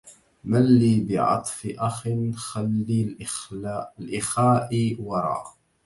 من لي بعطف أخ خلي الإخاء ورا